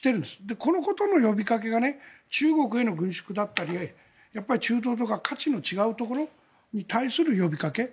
このことの呼びかけが中国への軍縮だったり中東とか価値の違うところに対する呼びかけ。